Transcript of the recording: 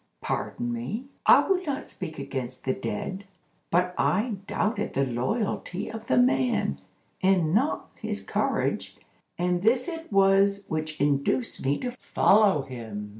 Pardon me; I would not speak against the dead, but I doubted the loyalty of the man, and not his courage, and this it was which induced me to follow him.